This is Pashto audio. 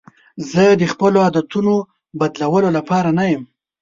زه د خپلو عادتونو بدلولو لپاره نه یم.